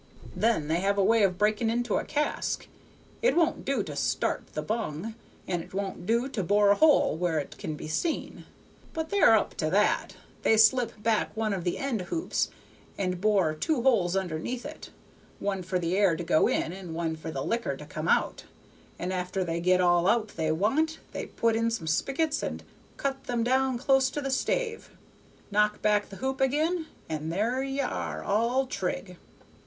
"Then they have a way of breaking into a cask. It won't do to start the bung, and it won't do to bore a hole where it can be seen, but they're up to that: they slip back one of the end hoops and bore two holes underneath it, one for the air to go in and one for the liquor to come out, and after they get all out they want they put in some spigots and cut them down close to the stave, knock back the hoop again, and there ye are, all trig."